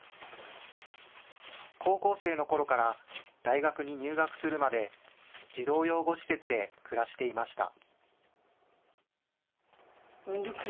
高校生のころから大学に入学するまで児童養護施設で暮らしていました。